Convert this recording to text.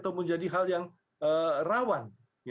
atau menjadi hal yang rawan